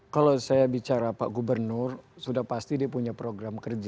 kalau saya bicara pak gubernur sudah pasti dia punya program kerja